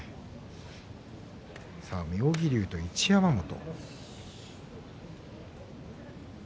妙義龍と一山本。